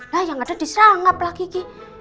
lah yang ada diserangap lah kiki